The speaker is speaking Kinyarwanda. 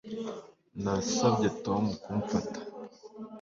Nasabye Tom kumfata